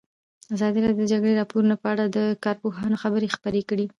ازادي راډیو د د جګړې راپورونه په اړه د کارپوهانو خبرې خپرې کړي.